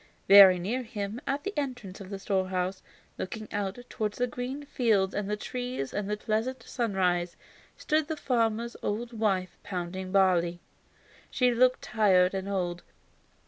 Very near him, at the entrance to the storehouse, looking out towards the green fields and the trees and the pleasant sunshine, stood the farmer's old wife pounding barley. She looked tired and old.